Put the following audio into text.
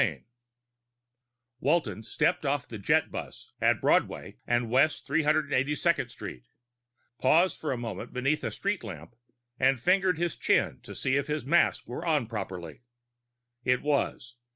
XVII Walton stepped off the jetbus at Broadway and West 382nd Street, paused for a moment beneath a street lamp, and fingered his chin to see if his mask were on properly. It was.